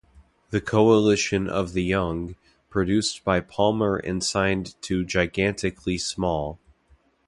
The Coalition Of The Young, produced by Palmer and signed to Gigantically Small.